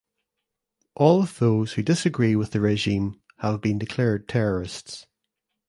All of those who disagree with the regime have been declared terrorists.